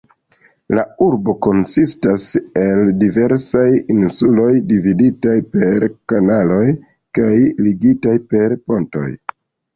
La urbo konsistas el diversaj insuloj, dividitaj per kanaloj kaj ligitaj per pontoj.